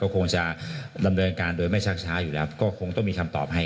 คงจะดำเนินการไม่ชักช้าคงต้องมีคำตอบให้